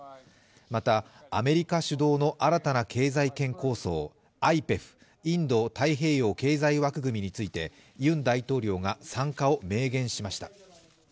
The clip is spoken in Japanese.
またアメリカ主導の新たな経済圏構想、ＩＰＥＦ＝インド太平洋経済枠組みについてユン大統領が参加を明言しました。